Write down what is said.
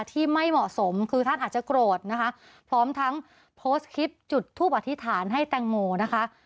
ที่ไม่เหมาะสมคือท่านอาจจะโกรธนะคะพร้อมทั้งโพสต์คลิปจุดทูปอธิษฐานให้แตงโมนะคะ